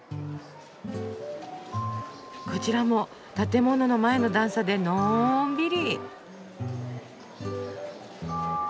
こちらも建物の前の段差でのんびり。